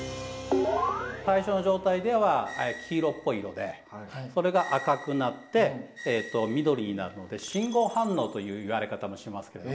最初の状態では黄色っぽい色でそれが赤くなって緑になるので信号反応という言われ方もしますけれども。